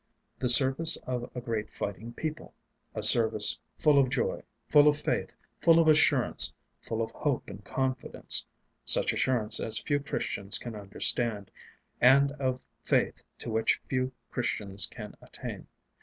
The service of a great fighting people; a service full of joy, full of faith, full of assurance, full of hope and confidence such assurance as few Christians can understand, and of faith to which few Christians can attain.